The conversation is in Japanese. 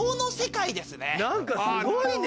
何かすごいね。